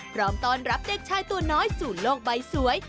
พร้อมต้อนรับเด็กชายตัวน้อยสู่โลกใบสวย